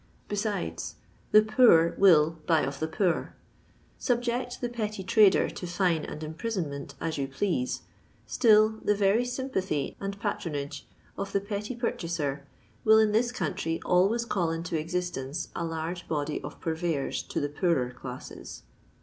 Be sides, the poor wUl buy of the poor. Subject the petty trader to fine and imprisonment as yon please, still the very sympathy and patronage of the petty purchaser will in this country always call into existence a large body of purveyors to the poorer classes.